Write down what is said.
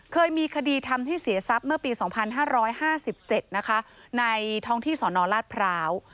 เคยมีคดีทำให้เสียทรัพย์เมื่อปี๒๕๕๗นะคะในท้องที่สนราชพร้าว